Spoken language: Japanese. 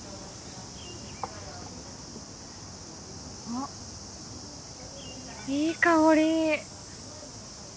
あっいい香り。